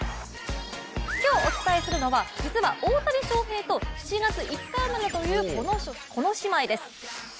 今日お伝えするのは実は大谷翔平と同じ７月５日生まれというこの姉妹です。